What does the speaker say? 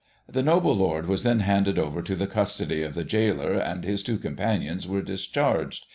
The noble Lord was then handed over to the custody of the gaoler, and his two companions were discharged.